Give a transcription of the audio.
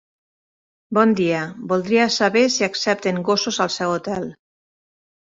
Bon dia, voldria saber si accepten gossos al seu hotel.